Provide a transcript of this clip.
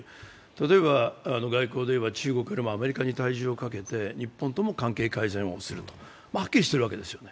例えば、外交でいえば中国よりもアメリカに体重をかけて日本とも関係改善をする、はっきりしてるわけですよ。